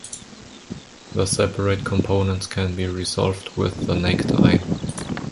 The separate components can be resolved with the naked eye.